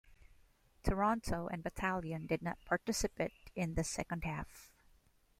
Toronto and Battalion did not participate in the second half.